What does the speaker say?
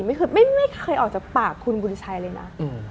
ไม่เคยออกจากปากคุณบุญชัยเลยนะ